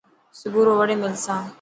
سپورو وڙي ملسان.